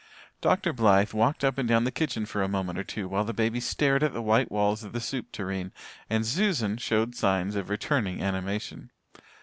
Dr. Blythe walked up and down the kitchen for a moment or two while the baby stared at the white walls of the soup tureen and Susan showed signs of returning animation.